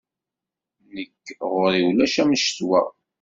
Nekk ɣur-i ulac am ccetwa.